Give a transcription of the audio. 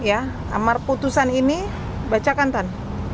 amar putusan ini bacakan tan